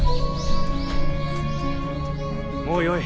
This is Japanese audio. もうよい。